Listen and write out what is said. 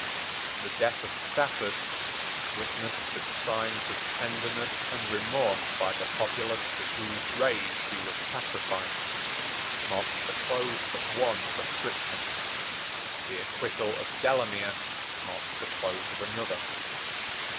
The death of Stafford, witnessed with signs of tenderness and remorse by the populace to whose rage he was sacrificed, marks the close of one proscription. The acquittal of Delamere marks the close of another.